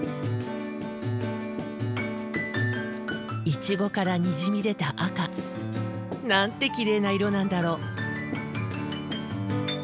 イチゴからにじみ出た赤。なんてきれいな色なんだろう。